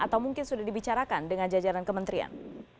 atau mungkin sudah dibicarakan dengan jajaran kementerian